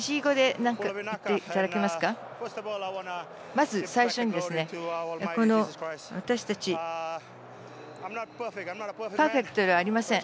まず、最初に私たちパーフェクトではありません。